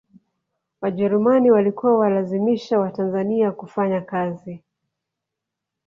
wajerumani walikuwa walazimisha watanzania kufanya kazi